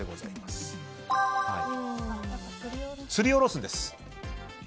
すりおろすんです。